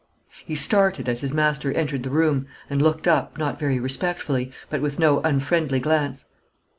He started as his master entered the room, and looked up, not very respectfully, but with no unfriendly glance.